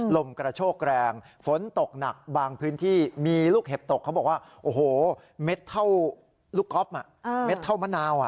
ลมกระโชกแรงฝนตกหนักบางพื้นที่มีลูกเห็บตกเขาบอกว่าโอ้โหเม็ดเท่าลูกก๊อฟเม็ดเท่ามะนาว